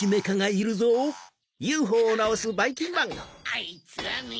あいつらめ！